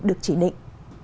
được chỉ định